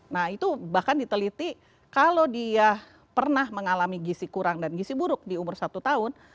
nah itu bahkan diteliti kalau dia pernah mengalami gisi kurang dan gisi buruk di umur satu tahun